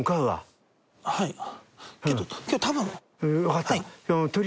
はい。